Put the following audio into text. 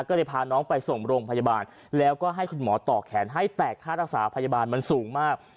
ก็เลยพาน้องไปส่งโรงพยาบาลแล้วก็ให้คุณหมอต่อแขนให้แต่ค่ารักษาพยาบาลมันสูงมาก